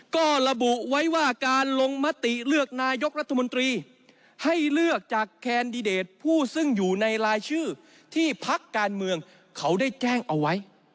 ก็ระบุไว้ว่าการลงมติเลือกนายกรัฐมนตรีให้เลือกจากแคนดิเดตผู้ซึ่งอยู่ในรายชื่อที่พักการเมืองเขาได้แจ้งเอาไว้